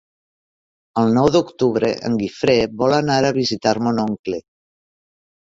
El nou d'octubre en Guifré vol anar a visitar mon oncle.